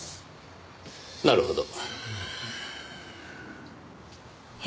なるほど。